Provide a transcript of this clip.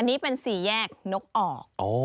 อันนี้เป็นสี่แยกนกออก